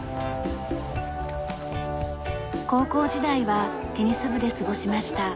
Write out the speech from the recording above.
高校時代はテニス部で過ごしました。